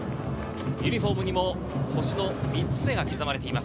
ユニホームにも星の３つめが刻まれています。